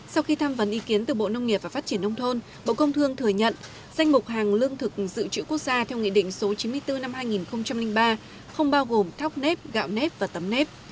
sau khi tham vấn ý kiến từ bộ nông nghiệp và phát triển nông thôn bộ công thương thừa nhận danh mục hàng lương thực dự trữ quốc gia theo nghị định số chín mươi bốn năm hai nghìn ba không bao gồm thóc nếp gạo nếp và tấm nếp